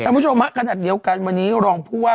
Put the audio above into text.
คุณผู้ชมฮะขนาดเดียวกันวันนี้รองผู้ว่า